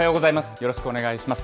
よろしくお願いします。